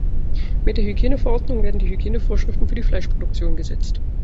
Mit der Hygieneverordnung werden Hygienevorschriften für die Fleischproduktion gesetzt.